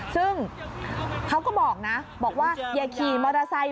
ซึ่งเขาก็บอกนะบอกว่าอย่าขี่มอเตอร์ไซค์